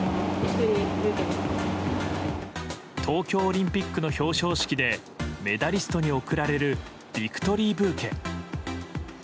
東京オリンピックの表彰式でメダリストに贈られるビクトリーブーケ。